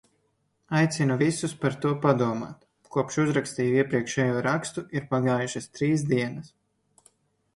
Aicinu visus par to padomāt. Kopš uzrakstīju iepriekšējo rakstu ir pagājušas trīs dienas.